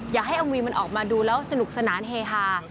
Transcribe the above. อย่าให้เอาวีมันออกมาดูแล้วสนุกสนานเฮฮา